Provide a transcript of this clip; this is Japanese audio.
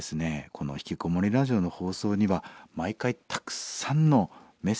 この「ひきこもりラジオ」の放送には毎回たくさんのメッセージを頂いています。